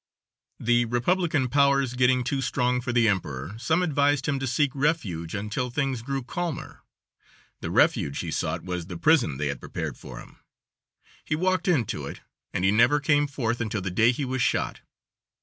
The republican powers getting too strong for the emperor, some advised him to seek refuge until things grew calmer. The refuge he sought was the prison they had prepared for him. He walked into it, and he never came forth until the day he was shot.